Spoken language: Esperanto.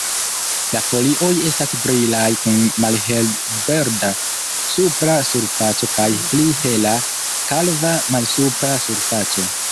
La folioj estas brilaj kun malhelverda supra surfaco kaj pli hela, kalva malsupra surfaco.